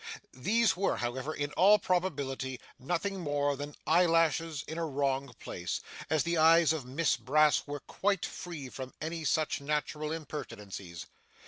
These were, however, in all probability, nothing more than eyelashes in a wrong place, as the eyes of Miss Brass were quite free from any such natural impertinencies.